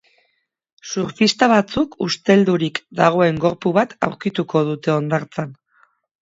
Surfista batzuk usteldurik dagoen gorpu bat aurkituko dute hondartzan.